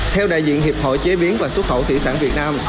theo đại diện hiệp hội chế biến và xuất khẩu thủy sản việt nam